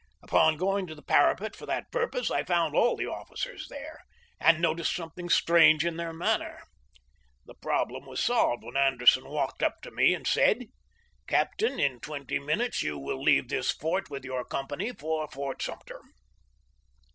Upon going to the parapet for that purpose, I found all the officers there, and noticed something strange in their manner. The problem was solved when Ander son walked up to me and said :" Captain, in twenty minutes you will leave this fort with your company for Fort Sumter."